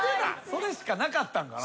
それしかなかったんかな？